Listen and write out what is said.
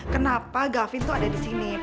kenapa gavvin tuh ada disini